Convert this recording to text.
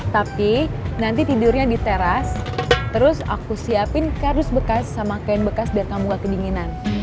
tapi nanti tidurnya di teras terus aku siapin kardus bekas sama kain bekas biar kamu gak kedinginan